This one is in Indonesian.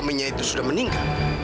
suaminya itu sudah meninggal